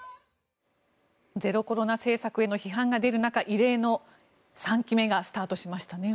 ゼロコロナ政策への批判が出る中異例の３期目がスタートしましたね。